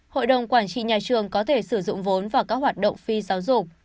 hội đồng quản trị nhà trường có thể sử dụng vốn vào các hoạt động phi giáo dục